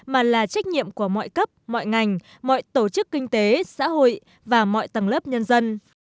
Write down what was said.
mà là trách nhiệm của mọi cấp mọi ngành mọi tổ chức kinh tế xã hội và mọi tầng lớp nhân dân